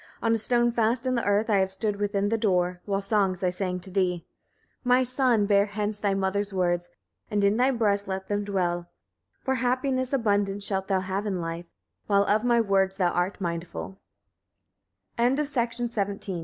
On a stone fast in the earth I have stood within the door, while songs I sang to thee. 16. My son! bear hence thy mother's words, and in thy breast let them dwell; for happiness abundant shalt thou have in life, while of my words thou a